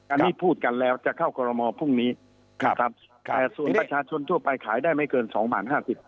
อันนี้พูดกันแล้วจะเข้ากรมอพรุ่งนี้นะครับแต่ส่วนประชาชนทั่วไปขายได้ไม่เกินสองพันห้าสิบ